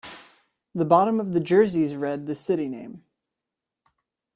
The bottom of the jerseys read the city name.